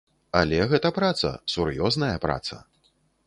Але гэта праца, сур'ёзная праца.